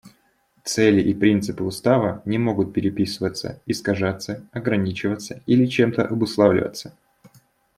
Цели и принципы Устава не могут переписываться, искажаться, ограничиваться или чем-то обусловливаться.